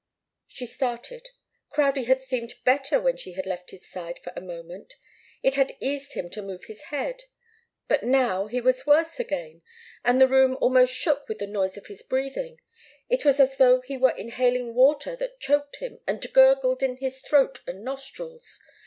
She started. Crowdie had seemed better when she had left his side for a moment. It had eased him to move his head. But now he was worse again, and the room almost shook with the noise of his breathing. It was as though he were inhaling water that choked him and gurgled in his throat and nostrils.